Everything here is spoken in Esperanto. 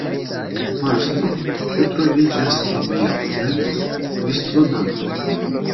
Marston, ĉu troviĝas en via urbeto vistludantoj?